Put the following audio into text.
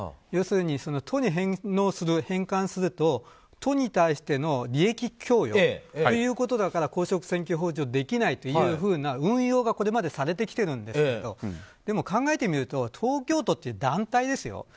要するに都に返納する、返還すると都に対しての利益供与ということだから公職選挙法上できないという運用がこれまでされてきてるんですが考えてみると東京都って団体ですよ。